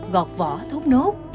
gọt vỏ thốt nốt